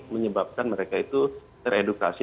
menyebabkan mereka itu teredukasi